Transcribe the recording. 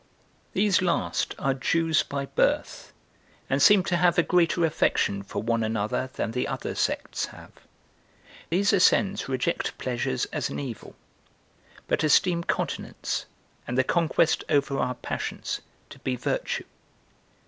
These last are Jews by birth, and seem to have a greater affection for one another than the other sects have. These Essens reject pleasures as an evil, but esteem continence, and the conquest over our passions, to be virtue.